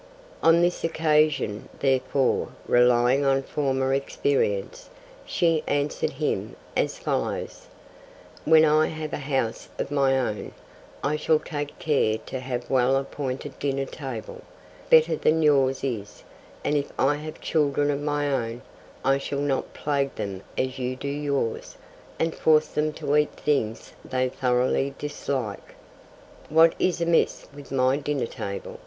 On this occasion, therefore, relying on former experience, she answered him as follows: 'When I have a house of my own, I shall take care to have a well appointed dinner table, better than yours is, and if I have children of my own, I shall not plague them as you do yours, and force them to eat things they thoroughly dislike!' 'What is amiss with my dinner table?'